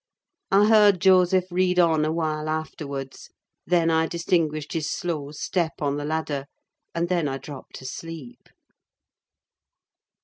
I heard Joseph read on a while afterwards; then I distinguished his slow step on the ladder, and then I dropped asleep.